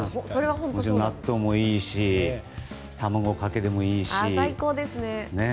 納豆もいいし卵かけてもいいしね。